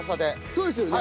そうですよね？